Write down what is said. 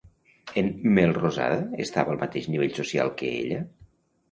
En Melrosada estava al mateix nivell social que ella?